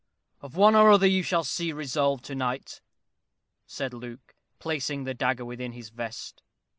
"Of one or other you shall be resolved to night," said Luke, placing the dagger within his vest.